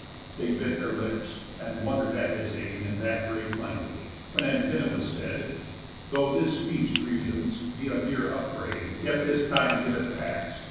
They bit their lips and wonder'd at his aim In that brave language; when Antinous said: "Though this speech, Grecians, be a mere upbraid, Yet this time give it pass.